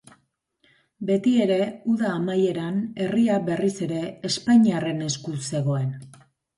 Beti ere, uda amaieran herria berriz ere espainiarren esku zegoen.